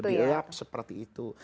diulap seperti itu